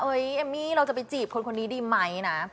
เอมมี่เราจะไปจีบคนคนนี้ดีไหมนะ